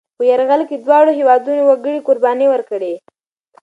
په یرغل کې دواړو هېوادنو وګړي قربانۍ ورکړې.